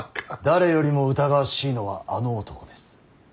誰よりも疑わしいのはあの男です。